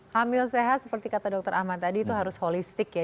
hamil sehat seperti kata dokter ahmad tadi itu harus holistik ya